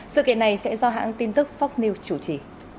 sự kiện này sẽ do hãng tin tức fox news chủ trì